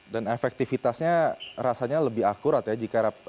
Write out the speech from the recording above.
dan efektivitasnya rasanya lebih akurat ya